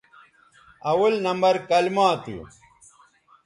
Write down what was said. اول نمبر کلما تھو